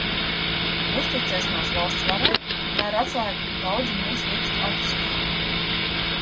Uzticēšanās valsts varai – tā ir atslēga daudzu mūsu likstu atrisinājumam.